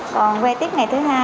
còn về tiếp ngày thứ hai